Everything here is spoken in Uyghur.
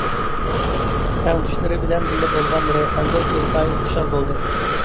تەڭتۇشلىرى بىلەن بىللە بولغان رەيھانگۈل ئىنتايىن خۇشال بولدى.